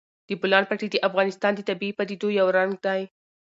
د بولان پټي د افغانستان د طبیعي پدیدو یو رنګ دی.